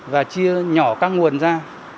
và chia nhỏ các nguồn ra